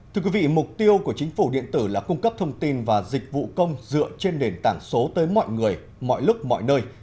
thưa quý vị mục tiêu của chính phủ điện tử là cung cấp thông tin và dịch vụ công dựa trên nền tảng số tới mọi người mọi lúc mọi nơi